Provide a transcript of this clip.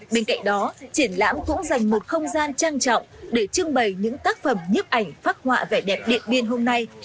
bên cạnh đó triển lãm cũng dành một không gian trang trọng để trưng bày những tác phẩm nhiếp ảnh phát họa vẻ đẹp điện biên hôm nay